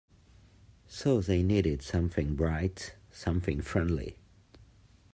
So they needed something bright, something friendly.